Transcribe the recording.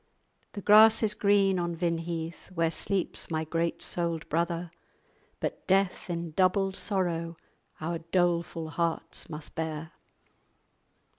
The grass is green on Vinheath Where sleeps my great souled brother; But death, in doubled sorrow, Our doleful hearts must bear."